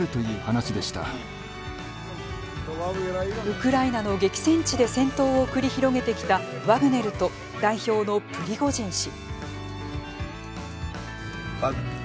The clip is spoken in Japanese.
ウクライナの激戦地で戦闘を繰り広げてきたワグネルと代表のプリゴジン氏。